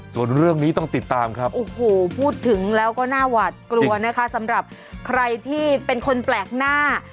ส่วนเรื่องนี้ต้องติดตามครับโอ้โหพูดถึงแล้วก็น่าหวาดกลัวนะคะสำหรับใครที่เป็นคนแปลกหน้า